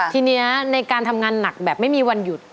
ทีนี้ในการทำงานหนักแบบไม่มีวันหยุด